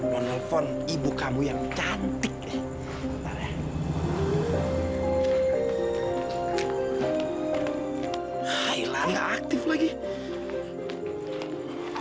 ibu betul betul kangen sama kamu lara